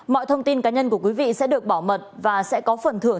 mọi thông tin cá nhân của quý vị sẽ được bảo mật và sẽ có phần phát triển